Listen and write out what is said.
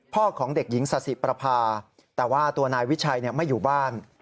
ของเด็กหญิงสาธิประพาแต่ว่าตัวนายวิชัยไม่อยู่บ้าน